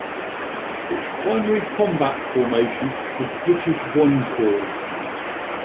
Its primary combat formation was British I Corps.